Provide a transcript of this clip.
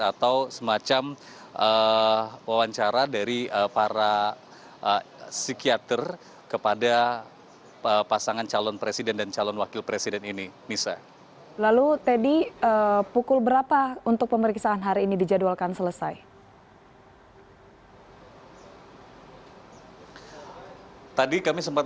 atau semacam wawancara dari para psikiater kepada pasangan calon presiden dan calon wakil presiden ini nisa